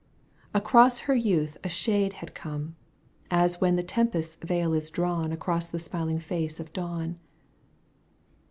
Across her youth a shade, had come, As when the tempest's veil is drawn Across the smiling face of dawn.